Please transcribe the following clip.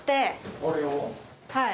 はい。